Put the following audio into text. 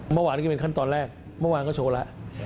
เมื่อวานนี้ก็เป็นขั้นตอนแรกเมื่อวานก็โชว์แล้ว